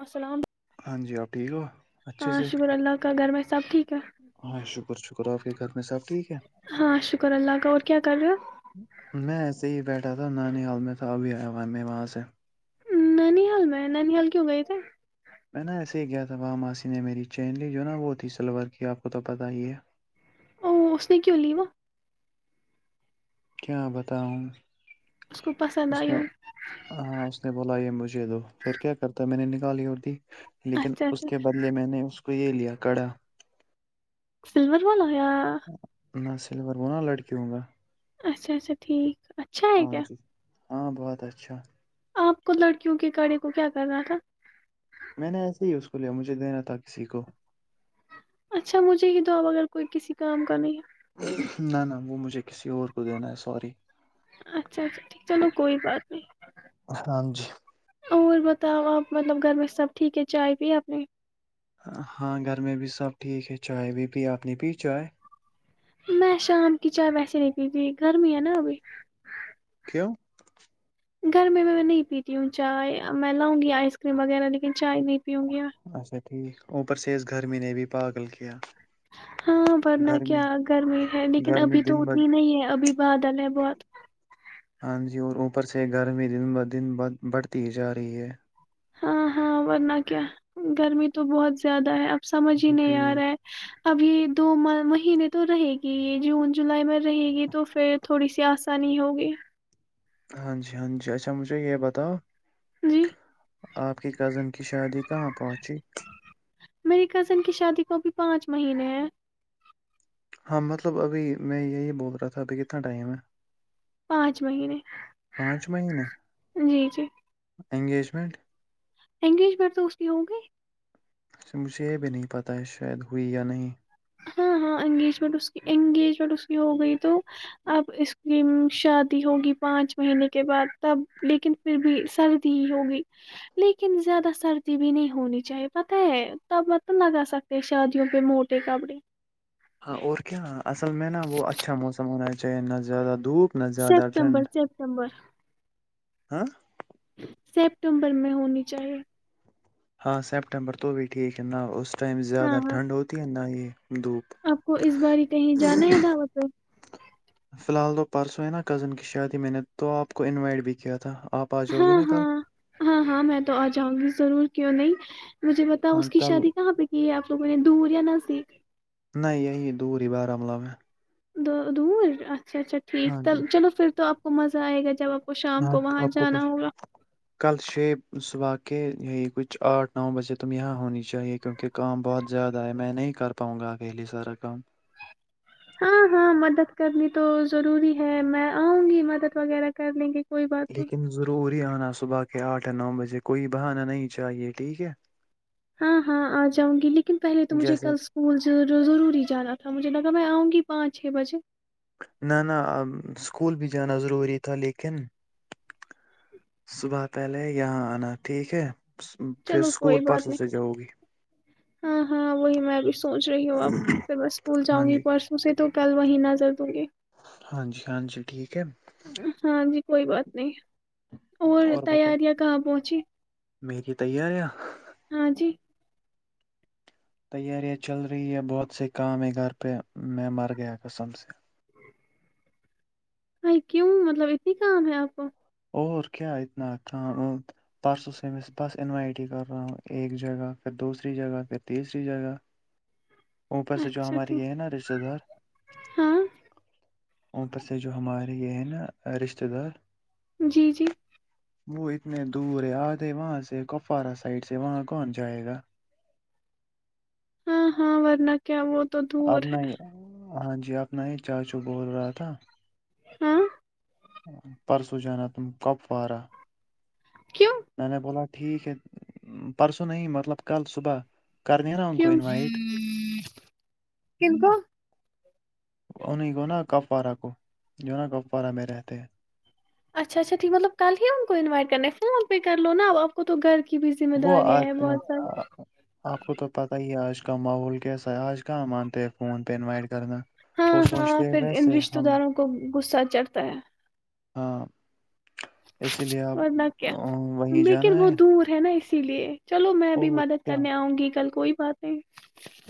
السلام ع ہاں جی آپ ٹھیک ہو اچھے ہاں سے شکر اللہ کا گرم سب ٹھیک ہے ہاں شکر شکر آپ کے گھر میں سب ٹھیک ہے ہاں شکر اللہ کا اور کیا کر رہے ہو میں ای سے ہی بیٹھا تھا نانی حال میں تھا ابھی آیا ہوا ہے میں وہاں سے ننی حال میں ننیحال کیوں گئے تے میں نے ایسے ہی کیا تھا وہاں ماسی نے میری چین لی جو نا وہ تھی سلور کی آپ کو تو پتہ ہی ا اس نے کیوں لیوا کیا بتاؤں اس کو پسند اس آئی نے ہو ہاں اس نے بولا یہ مجھے دو پھر کیا کرتا میں نے ن گالی اڑی [unintelligible] لیکن اچھا اس اچھا کے بدلے میں نے اس کو یہ لیا کڑا [unintelligible] سلور والا یا نہ سلور بنا لڑکیوںگا اچھا اچھا ٹھیک اچھا ہے کیا جی ہاں بہت اچھا آپ کو لڑکیوں کے کڑے کو کیا کرنا تھا میں نے ایسے ہی اس کو لیا مجھے دینا تھا کسی کو اچھا مجھے ہی تو اب اگر کوئی کسی کام کا نہیں ہے نہ نہ وہ مجھے کسی اور کو دینا ہے سوری اچھا اچھا ٹھیک چلو کوئی بات نہیں ہاں جی اور بتاؤ آپ مطلب گھر میں سب ٹھیک ہے چائے پی اپنی ہاں گھر میں بھی سب ٹھیک ہے چائے بھی پی آپ نے پی چائے میں شام کی چائے ویسیے نہیںتی تھی گرمی ہے نا ابھی [unintelligible] گرمی میں میں نہیں پیتی ہوں چائے میں لاؤں گی آئس کریم وغیرہ لیکن چائے نہیں پیوں گیا ٹیک اوپر سے اس گرمی نے بھی پاگل کیا ہاں ورنہ گرمی کیا گرمی ہے لیکن گرمی ابھی تو دن ب اتنی نہیں ہے ابھی بادل ہے بہت آانندھی اور اوپر سے گرمی دن بہدن بڑھتی جار رہی ہے ہاں ہاں ورنہ کیا گرمی تو بہت زیادہ ہے اب سمجھ ہی اچھا نہیں آ ٹھیک رہا ہے ابھی دو مہینے تو رہے گی یہ جون جولائی میں رہے گی تو پھر تھوڑی سی آسانی ہوگی ہاں جی ہاں جی اچھا مجھے یہ بتاؤ جی آپ کی کزن کی شادی کہاں پہنچی وہ بھی پانچ مہینے ہیں ہاں مطلب ابھی میں یہی بول رہا تھا ابھی کتنا ٹائم ہے پانچ مہینے پانچ مہینے جی جی انگیجمنٹ انگیجمٹ تو اس کی ہوگی مجھے یہ بھی نہیں پتہ ہے شاید ہوئی یا نہیں ہاں ہاں انگیجمنٹ اس کی انگیجمنٹ اس کی ہو گئی تو اب اس کی شادی ہوگی پانچ مہینے کے بعد تب لیکن پھر بھی سردی ہی ہوگئی لیکن زیادہ سردی بھی نہیں ہونی چاہیے پتہ ہے تب مطب لگا سکتے ہیں شادیوں پہ موٹے کپڑے ہاں اور کیا ہو اصل میں نا وہ اچھا موسم ہو رہا ہے چاہ ن زیادہ [unintelligible] زیادہ سپتمبر ٹھنڈ سپتمبر ہاں سپٹمبر میں ہونی چاہیے ہاں سپٹمبر تو بھی ٹھیک ہے نہ اس اس ٹائم ہاں زیادہ ہاں ٹھنڈ ہوتی ہے ن نہ یہ دھوپ آپ کو اس باری کہیں جانا ہے دوت پ فی الحال تو پرسوں ہے نا کزن کی شادی میں نے تو آپ کو انوائٹ بھی کیا تھا آپ آ جاؤ گی ہاں نا کل ہاں ہاں ہاں میں تو آ جاؤں گی ضرور کیوں نہیں مجھے بتاؤ ہاں اس کی کل شادی کہاں پہ کی ہے آپ تو میں نے دور یا نزک نہیں یہی دور ہی بارہملہ میں دو دور اچھا اچھا ٹھیک ہاں تو جی چلو پھر تو آپ مزہ آئے گ جب آپ کو شام ہاں وہاں آپ کو پ جانا ہوگا کل چھ صبح کہ یہی کچھ آٹھ نو بجے تم یہاں ہونی چاہیے کیونکہ کام بہت زیادہ ہے میں نہیں کر پاؤں گا اکیلے سارا کام ہاں ہاں مدد کرنی تو ضروری ہے میں آؤں گی مدد وغیرہ کر لیں گے کوئی بات نہیں لیکن ضروری آنا صبح کے آٹھ نو بجے کوئی بہانا نہیں چاہیے ٹھیک ہے ہاں ہاں آ جاؤں گی لیکن پہلے تو مجھے جیسے کل اسکول ضروری جانا تھا مجھے لگا میں آؤں گی پانچ چھ بجے نہ نہ اب اسکول بھی جانا ضروری تھا لیکن صبح پہلے یہاں آنا ٹھیک ہے پھر چلو اسکول کوئی بات پرسوں نہیں سے جاؤ گی ہاں ہاں وہی میں ابھی سوچ رہی ہوں اب پھر میں اسکول ہاں جاؤں گی جی پرسوں سے تو کل وہیں نظر دوں گی ہاں جی ہاں جی ٹھیک ہے ہاں جی کوئی بات نہیں اور تیاریاں کہاں پہنچی میری تیاریا ہاں جی تیاریاں چل رہی ہے بہت سے کام ہے گھر پہ میں مر گیا قسم سے بھای کیوں مطلب اتنی کام ہے اپ کو اور کیا اتنا کا پرسوں سے میں بس انوائٹ ہی کر رہا ہوں ایک جگہ پھر دوسری جگہ پھر تیسری جگہ اوپر سے جو اچھا ہماری ٹھیک یہ ہے نہ رشتیدار ہاں اوپر سے جو ہمارے یہ ہیں نہ رشتیدار جی جی وہ اتنے دور ہے ادھے وہاں سے کپوارا سائڈ سے وہاں کون جایگا ہاں ہاں ورنا کیا وہ تو دور ہے اپنا ہی ہاں جی اپنا ہی چاچو بول رہا تھا ہاں پرسوں جانا تم کپوارا کیوں میں نے بولا ٹھیک ہے پرسوں نہیں مطلب کل صبح کر دیا نا ان کو کیوں انوائٹ کن کو انہیں کو نا کپوارہ کو جو نا کپوارا میں رہتے ہیں اچھا اچھا ٹھیک مطلب کل ہی ان کو انوائٹ کرنا ہے فون پہ کر لو نہ اب اپ کو تو گھر کی بھی ذمہ وہ داریاں اج ہیں بہت ساری اپ کو تو پتا ہی اج کا ماحول کیسا ہے اج کا مانتے ہیں فون پہ انوائٹ کرنا ہاں وہ ہاں سوچتے ہیں پھر ان ویسے رشتتے ہم داروں کو غصہ چڑھتا ہے ہاں اسی لیے آپ اور نہ کیا وہیں لیکن جانا بہت دور ہے نہ اس اسی لیے چلو میں بھی اور مدد کیا کرنے اونگی کل کوی بات نہیں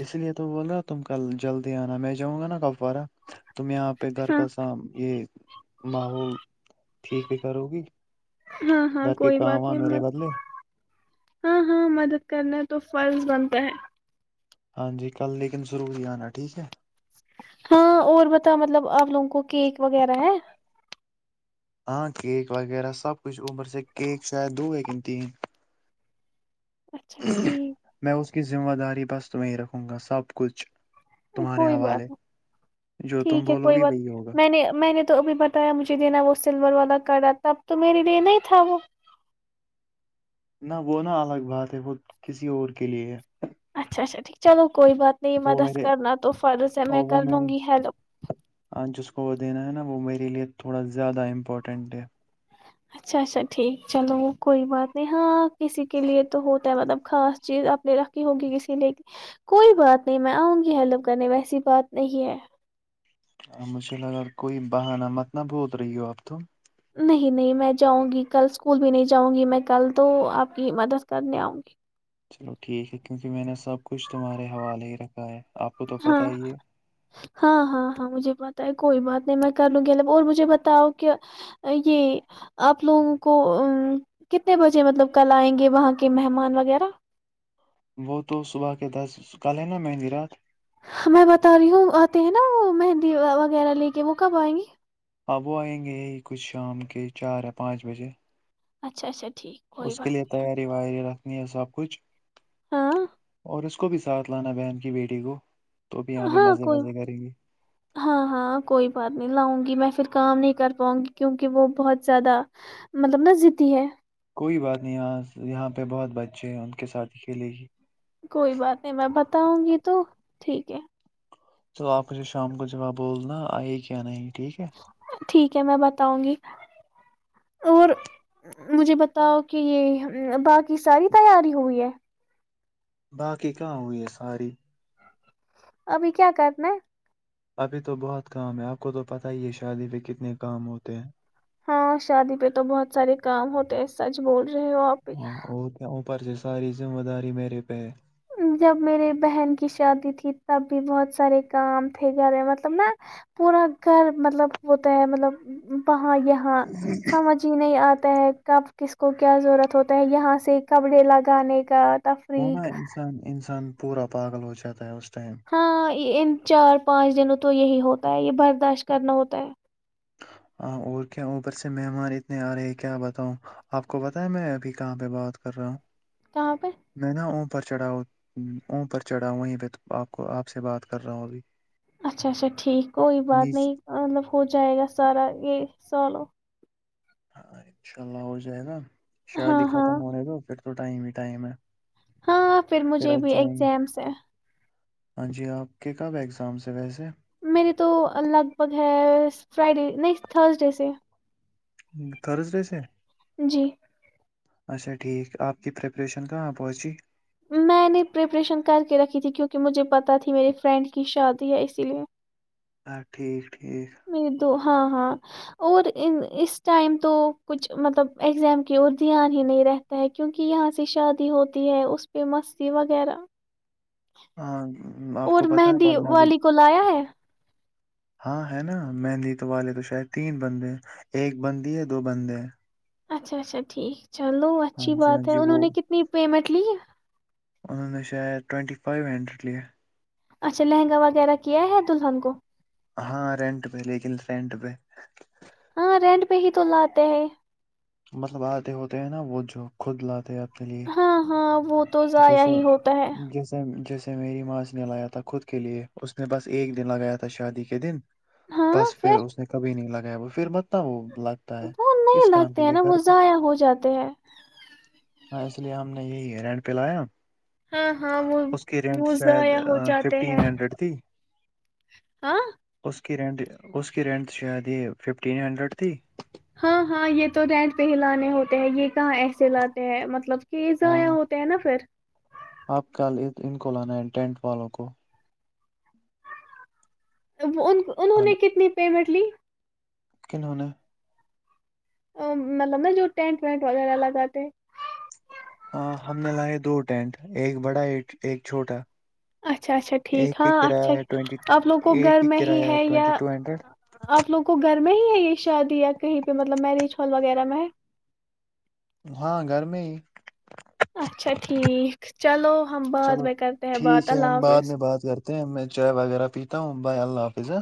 اس لیے تو بول رہا تم کل جلدی انا میں جاونگا نہ کب اور اب تم یہاں پہ گھر ہاں کا سب یہ ماحول ٹھیک بھی کرو گی ہاں ہاں گھر کے کوئی کام بات ا نہیں میرے بدلے ہاں ہاں مدد کرنا تو فرض بنتا ہے ہاں جی کل لیکن ضرور ہی انا ٹھیک ہے ہاں اور بتا مطلب اپ لوگوں کو کیک وغیرہ ہے ہاں کیک وغیرہ سب کچھ اوپر سے کیک شاید دو ہے یا پھر تین اچھا ٹھیک میں اس کی ذمہ داری بس تو میں ہیں رکھوں گا سب کچھ تمہارے کوی حوالے بات نہیں جو تم ٹھیک ہے بولو کوئی گی بات وہی ہوگا میں نے میں نے تو ابھی بتایا مجھے دینا وہ سلور والا کارڈ تب تو میرے لیے نہیں تھا وہ نہ وہ نہ الگ بات ہے وہ کسی اور کے لیے ہے اچھا اچھا ٹھیک چلو کوئی بات نہیں وہ مدد میرے کرنا تو فرض ہے میں اور وہ کر میرے لونگی ہیلو ہاں جس کو وہ دینا ہے نہ وہ میرے لیے تھوڑا زیادہ امپورٹنٹ ہے اچھا اچھا ٹھیک چلو وہ کوئی بات نہیں ہاں کسی کے لیے تو ہوتا ہے مطلب خاص چیز اپ نے رکھی ہوگی کسی لے کی کوئی بات نہیں میں آؤں گی ہیلپ کرنے ویسی بات نہیں ہے مجھے لگا کوئی بہانہ مت نہ بھول رہی ہو اب تو نہیں نہیں میں جاؤں گی کل اسکول بھی نہیں جاؤں گی میں کل تو آپ کی مدد کرنے آؤں گی چلو ٹھیک ہے کیونکہ میں نے سب کچھ تمہارےوالے ہی رکھا ہے آپ کو تو ہاں پتا ہی ہے ہاں ہاں ہاں مجھے پت ہے کوئی بات نہیں میں کر لوں گیب اور مجھے بتاؤ کہ یہ آپ لوگوں کو کتنے بجے مطلب کل آئیں گے وہاں کے مہمان وغیرہ وہ تو صبح کے دس کل ہے نا مہندی رات میں بتا رہی ہوں آتے ہیں نا وہ مہندی وغیرہ لے کے وہ کب آئیں گی آپ وہ آئیں گے ہی کچھ شام کے چار یا پانچ بجے اچھا اچھا ٹھیک اس کوئی کے بات لیے تیاری و یہ سب کچھ ہاں اور اس کو بھی ساتھ لانا بہن کی بیٹی کو تو بھی یہاں پہ ہاں مزے کوئی وزے کریں گے ہاں ہاں کوئی بات نہیں لاؤں گی میں پھر کام نہیں کر پاؤں گی کیونکہ وہ بہت زیادہ مطلب ن ضتی ہے کوئی بات نہیں یہاں یہاں پہ بہت بچے ہیں ان کے ساتھ کھیلے گی کوئی بات نہیں میں بتاؤں گی تو ٹھیک ہے چلو آپ مجھے شام کو جب آ بولنا آئی کیا نہیں ٹھیک ہے ٹھیک ہے میں بتاؤں گی اور مجھے بتاؤ کہ یہ باقی ساری تیاری ہوئی ہے باقی کہاں ہوئی ہے ساری ابھی کیا کرنا ہے ابھی تو بہت کام ہے آپ کو تو پتہ ہی ہے شادی پہ کتنے کام ہوتے ہیں ہاں شادی پہ تو بہت سارے کام ہوتے ہیں سچ بول رہی ہو آپ بھی پر جو ساری ذمہ داری میرے پہ ہے جب میرے بہن کی شادی تھی تب بھی بہت سارے کام تھے گھر میں مطلب نا پورا گھر مطلب ہوتا ہے مطلب اں یہاں سمجھ ہی نہیں آتا کب کس کو کیا ضرورت ہوتا ہے یہاں سے کپڑے لگانے کا وہ نا تفریق انسان انسان پورا پاگل ہو جاتا ہے اس ٹائم ہاں ان چار پانچ دن تو یہی ہوتا ہے یہ برداشت کرنا ہوتا ہے ہاں اور کیا اوپر سے مہمان اتنے آ رہے ہیں کیا بتاؤں آپ کو بت ہے میں ابھی کہاں پہ بات کر رہا ہوں کہاں پہ میں نا وہ اپر چڑھاؤ اوپر چڑھاؤ وہیں پہ آپ کو آپ سے بات کر رہا ہوں ابھی اچھا اچھا ٹھیک کوئی بات نیچ نہیں مطلب ہو جائے گا سارا یہ سالو ہاں انشاء اللہ ہو جائے گا ش ہاں دکھا ہاں تھا م نے تو پھر اس ٹائم ہی ٹائم ہے ہاں پھر مجھے آج بھی جائیں گے ایگزام سے ہاں جی آپ کے کب ایگزامس ہے ویسے میرری تو لگ بھگ ہے فرائیڈے نہیں تھرس ڈے سے تارےج رہس جی اچھا ٹھیک آپ کی پریپریشن کہاں پہنچی میں نے پریپریشن کر کے رکھی تھی کیونکہ مجھے پتا تھی میری فرینڈ کی شادی ہے اسی لیے ہاں ٹھیک ٹھیک م دوو [unintelligible] ہاں ہاں اور اس ٹائم تو کچھ مطلب ایگزام کی اور دھیان ہی نہیں رہتا ہے کیوںکہ یہاں سے شادی ہوتی ہے اس پہ مستی وغیرہ ہاں آپ اور کو پتہ ہے مہندی پڑھنا بھی والی کو لایا ہے ہاں ہے نا مہندی تو والے تو شاید تین بندے ایک بندی ہے دو بندے ہیں اچھا اچھا ٹھیک چلو ہاں اچھی جی ہاں بات ہے انہوں نے کتنی پیمنٹ لی انوں شاید ٹوئونٹی فائیو ہنڈریڈ یہے اچھا لہنگا وغیرہ کیا ہے دلہن کو ہاں رینٹ پہ لیکن رینٹ پہ ہاں رینٹ پہ ہی تو لاتے ہیں مطلب آتے ہوتے ہیں نا وہ جو خود لاتے ہیں آپ ہاں ہاں وہ تو ضایا ہی ہوتا ہے [unintelligible] سے میری ماں سے نے لایا تھا خود کے لیے اس نے بس ایک دن لگایا تھا شادی کے دن بس پھر اس نے کبھی نہیں لگا وہ پھر متتا وہ [unintelligible] ہے وہ کس نہیں کام کے لگتے ہیں لیے نا وہ گھر پہ ضائع ہو جاتے ہیں ہاں اس لیے ہم نے یہی ہے ر پ لیا [unintelligible] ہاں ہاں وہ وہ ضائع ہو جاتے ہیں ففٹین ہنڈریڈ تھی ہاں اس رینٹ اس کی رینٹ شاید یہ ففٹین ہنڈریڈ تھی ہاں ہاں یہ تو رینٹ پہ ہی لانے ہوتے ہیں یہ کہاں ایسے لاتے ہیں مطلب یہ ضایاع ہاں ہوتے ہیں نا پھر آپ کل ان کو لانا ہے ٹینٹ والوں کو ا ان [inaudible] انہوں نے کتنی پیمنٹ لی کنہوں نے ا مطلب نا جو ٹینٹ وینٹ وغیرہ لگاتے ہاں ہم نے لائے دو ٹینٹ ایک بڑا ایک ایک چھوٹا اچھا اچھا ٹھیک ایک کی ہاں اچھا کرایہ ہے ٹوینٹی آپ لوگ کو ایک گھر کی میں ہی کرایہ ہے یا ٹوینٹی ٹو ہنڈریڈ آپ لوگ کو گھر میں ہی ہے یہ شادی یا کہیں پہ مطلب میرج ہال وغیرہ میں ہے ہاں گھر میں ہی اچھا ٹھیک چلو ہم بعد چلو میں کرتے ہیں بات ٹھیک ہے اللہ ہم بعد حافظ میں بھائی اللہ حافظ ہے